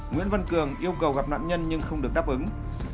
nguyễn văn cường yêu cầu gặp nạn nhân nhưng không được đáp ứng